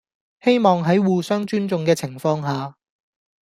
希望喺互相尊重嘅情況下